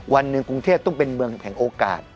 วันหนึ่งกรุงเทพต้องเป็นเมืองแห่งโอกาส